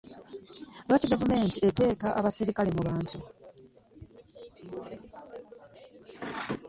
Lwaki gavumenti eteeka abasirikale mu bantu?